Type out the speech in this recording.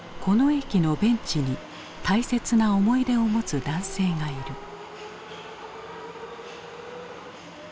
この駅のベンチに大切な思い出を持つ男性がいる。